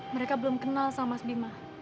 mereka belum kenal sama mas bima